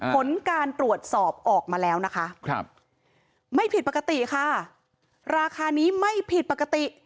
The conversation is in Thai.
ผลการตรวจสอบออกมาแล้วนะคะไม่ผิดปกติค่ะราคานี้ไม่ผิดปกติ